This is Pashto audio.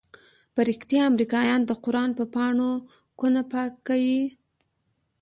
په رښتيا امريکايان د قران په پاڼو كونه پاكيي؟